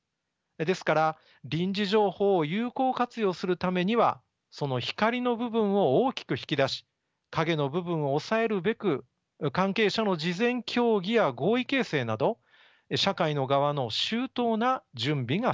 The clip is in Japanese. ですから臨時情報を有効活用するためにはその光の部分を大きく引き出し陰の部分を抑えるべく関係者の事前協議や合意形成など社会の側の周到な準備が不可欠です。